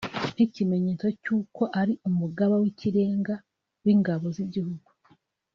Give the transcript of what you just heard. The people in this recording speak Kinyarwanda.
nk’ikimenyetso cy’uko ari umugaba w’Ikirenga w’ingabo z’igihugu